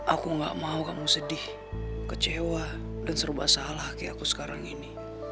aku gak mau kamu sedih kecewa dan serba salah hati aku sekarang ini